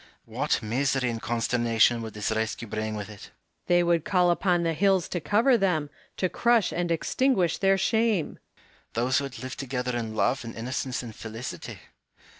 Hum,e. What misery and consternation would this rescue bring with it ! Hom,e. They would call upon the hills to cover them, to crush and extinguish their shame. Hume. Those who had lived together in love and inno cence and felicity